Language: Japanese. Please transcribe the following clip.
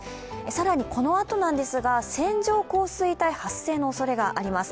更にこのあとなんですが、線状降水帯発生のおそれがあります。